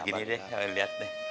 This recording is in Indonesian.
begini deh kamu lihat deh